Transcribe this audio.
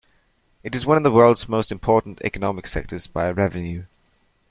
It is one of the world's most important economic sectors by revenue.